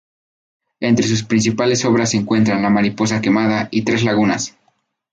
Entre sus principales obras se encuentran "La mariposa quemada" y "Tres lagunas".